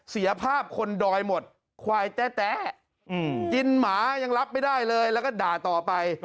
เสียภาพคนดอยหมดควายแต๊ะกินหมายังรับไม่ได้เลยแล้วก็ด่าต่อไป